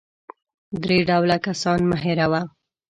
درې ډوله کسان مه هېروه .